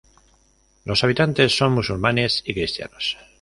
Los habitantes son musulmanes y cristianos".